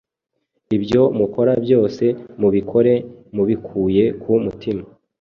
Ibyo mukora byose, mubikore mubikuye ku mutima,